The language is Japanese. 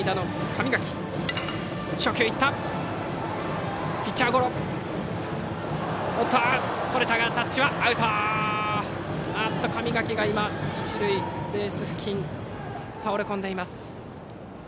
神垣が一塁ベース付近に倒れこんでいます。